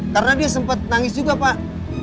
karena dia sempat nangis juga pak